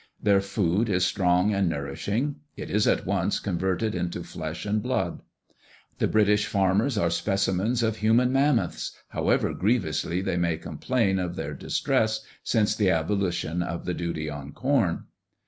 Their food is strong and nourishing; it is at once converted into flesh and blood. The British farmers are specimens of human mammoths, however grievously they may complain of their distress since the abolition of the duty on corn.